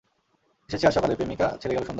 এসেছি আজকে সকালে, প্রেমিকা ছেড়ে গেল সন্ধ্যায়।